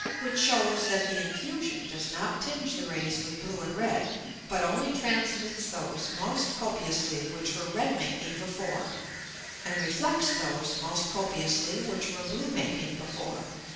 Which shews, that the Infusion does not tinge the Rays with blue and red, but only transmits those most copiously which were red making before, and reflects those most copiously which were blue making before.